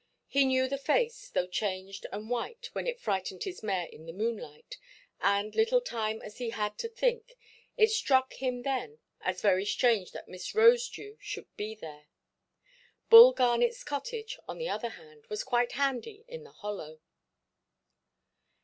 He knew the face, though changed and white, when it frightened his mare in the moonlight; and, little time as he had to think, it struck him then as very strange that Miss Rosedew should be there. Bull Garnetʼs cottage, on the other hand, was quite handy in the hollow.